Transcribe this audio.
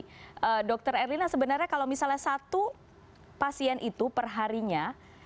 jadi dr erlina sebenarnya kalau misalnya satu pasien itu perharinya